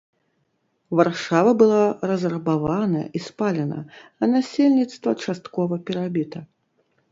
Варшава была разрабавана і спалена, а насельніцтва часткова перабіта.